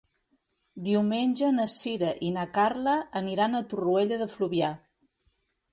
Diumenge na Sira i na Carla aniran a Torroella de Fluvià.